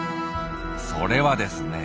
それはですね